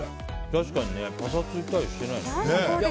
確かにパサついたりしてないですね。